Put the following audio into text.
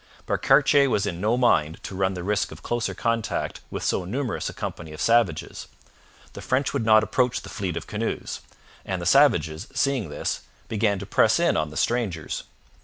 But Cartier was in no mind to run the risk of closer contact with so numerous a company of savages. The French would not approach the fleet of canoes, and the savages, seeing this, began to press in on the strangers.